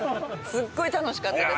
すごい楽しかったです。